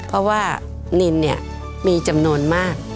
เพราะว่านินเนี่ยมีจำนวนมาก